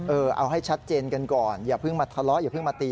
เอาให้ชัดเจนกันก่อนอย่าเพิ่งมาทะเลาะอย่าเพิ่งมาตี